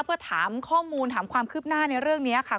เพื่อถามข้อมูลถามความคืบหน้าในเรื่องนี้ค่ะ